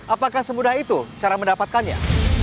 apakah semudah itu cara mendapatkannya